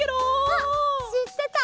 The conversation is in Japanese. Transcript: あっしってた？